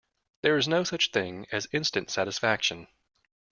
There is no such thing as instant satisfaction.